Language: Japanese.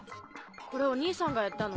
これお兄さんがやったの？